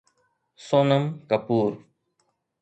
Sonam Kapoor